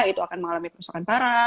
itu akan mengalami kerusakan parah